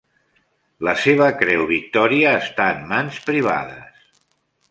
La seva Creu Victòria està en mans privades.